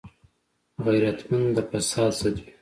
غیرتمند د فساد ضد وي